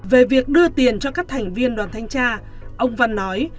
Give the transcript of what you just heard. về việc đưa tiền cho các thành viên đoàn thanh tra ông văn nói